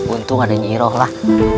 untung ada nyi iroh lah